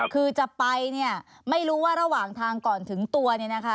คือจะไปไม่รู้ว่าระหว่างทางก่อนถึงตัว